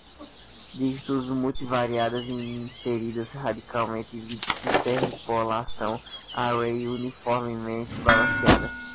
dígitos, multi-variadas, inferidas, radicalmente, interpolação, array, uniformemente, balanceada